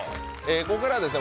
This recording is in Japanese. ここからはですね